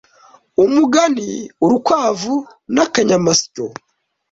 Umugani Urukwavu na akanyamasyo